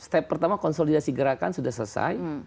step pertama konsolidasi gerakan sudah selesai